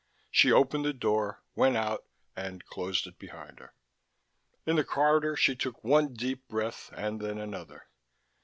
She opened the door, went out and closed it behind her. In the corridor she took one deep breath and then another.